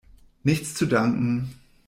Nichts zu danken!